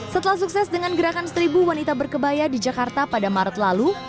setelah sukses dengan gerakan seribu wanita berkebaya di jakarta pada maret lalu